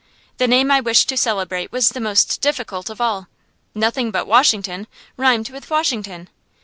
The name I wished to celebrate was the most difficult of all. Nothing but "Washington" rhymed with "Washington."